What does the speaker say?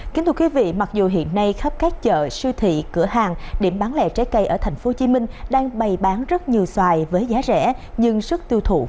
kính thưa quý vị mặc dù hiện nay khắp các chợ siêu thị cửa hàng điểm bán lẻ trái cây ở tp hcm đang bày bán rất nhiều xoài với giá rẻ nhưng sức tiêu thụ